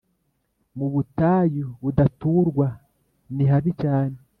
mu butayu budaturwa, nihabi cyane